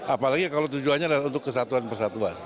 apalagi kalau tujuannya adalah untuk kesatuan persatuan